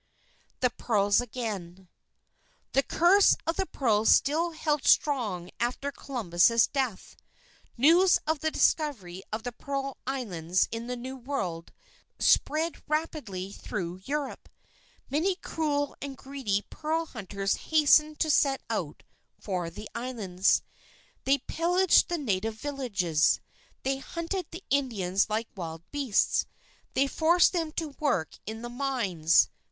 THE PEARLS AGAIN The curse of the pearls still held strong after Columbus's death. News of the discovery of the Pearl Islands in the New World, spread rapidly through Europe. Many cruel and greedy pearl hunters hastened to set out for the islands. They pillaged the native villages. They hunted the Indians like wild beasts. They forced them to work in the mines.